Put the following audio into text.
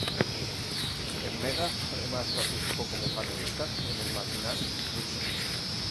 En Mega además participó como panelista en el matinal "Mucho Gusto.